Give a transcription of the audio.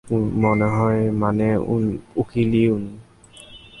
মনে হয় মানে, উকিলেই উনি।